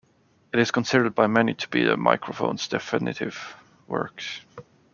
It is considered by many to be The Microphones' definitive work.